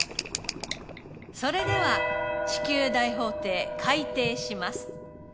それでは地球大法廷開廷します。